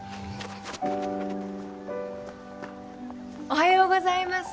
・おはようございます。